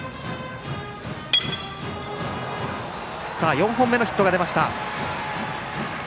４本目のヒットが出ました。